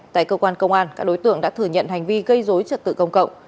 tại cơ quan công an các đối tượng đã thừa nhận hành vi gây dối trật tự công cộng